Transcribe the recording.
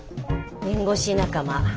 弁護士仲間。